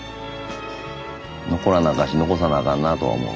残らなあかんし残さなあかんなとは思う。